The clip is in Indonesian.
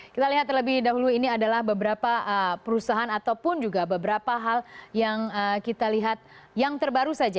kita lihat terlebih dahulu ini adalah beberapa perusahaan ataupun juga beberapa hal yang kita lihat yang terbaru saja